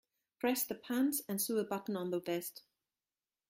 Press the pants and sew a button on the vest.